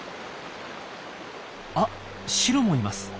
あっシロもいます。